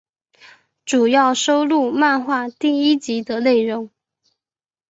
主要收录漫画第一集的内容。